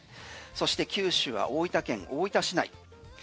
そして九州は大分県大分市内。